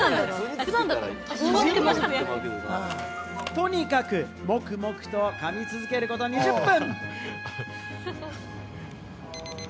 とにかく黙々と噛み続けること２０分。